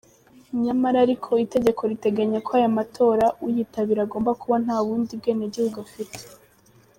Nyamara ariko itegeko riteganya ko aya matora uyitabira agomba kuba nta bundi bwenegihugu afite.